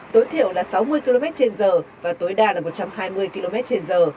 tối thiểu là sáu mươi km trên giờ và tối đa là một trăm hai mươi km trên giờ